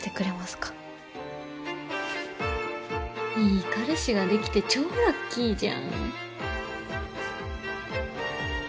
いい彼氏ができて超ラッキーじゃん。